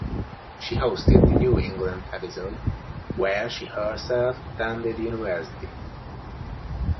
She hosted the New England episode, where she herself attended university.